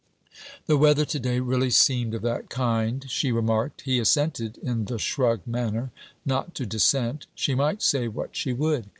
The weather to day really seemed of that kind, she remarked. He assented, in the shrug manner not to dissent: she might say what she would.